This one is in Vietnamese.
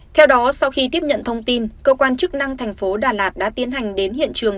theo đó sau khi tiếp nhận thông tin cơ quan chức năng thành phố đà lạt đã tiến hành đến hiện trường